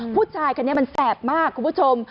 ผู้ชายคนนี้มันแสบมากคุณผู้ชม